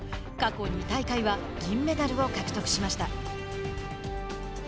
過去２大会は銀メダルを獲得しました。